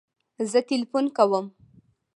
زه تلیفون کوم